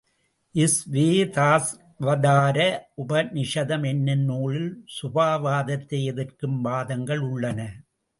ஸ்வேதாஸ்வதார உபநிஷதம் என்னும் நூலில் சுபாவவாதத்தை எதிர்க்கும் வாதங்கள் உள்ளன.